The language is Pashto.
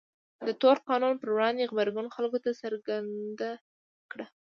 د تور قانون پر وړاندې غبرګون خلکو ته څرګنده کړه.